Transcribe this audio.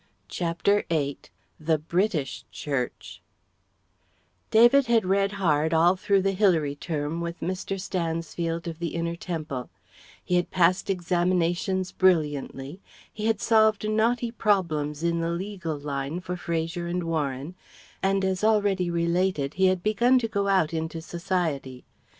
CHAPTER VIII THE BRITISH CHURCH David had read hard all through Hilary term with Mr. Stansfield of the Inner Temple; he had passed examinations brilliantly; he had solved knotty problems in the legal line for Fraser and Warren, and as already related he had begun to go out into Society.